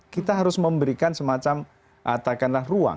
kita harus memberikan semacam katakanlah ruang